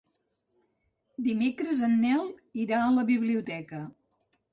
Dimecres en Nel irà a la biblioteca.